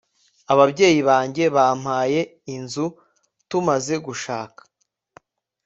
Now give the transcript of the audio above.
Ababyeyi banjye bampaye inzu tumaze gushaka